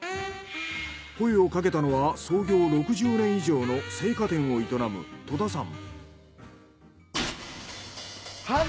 声をかけたのは創業６０年以上の生花店を営む戸田さん。